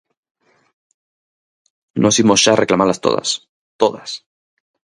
Nós imos xa reclamalas todas, ¡todas!